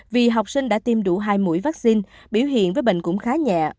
vì học sinh đã tiêm đủ hai mũi vaccine biểu hiện với bệnh cũng khá nhẹ